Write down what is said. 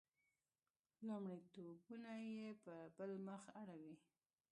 لومړیتونه یې په بل مخ اړولي.